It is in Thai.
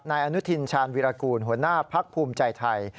นายอนุทินชาญวิรากูลหัวหน้าพักภูมิใจไทย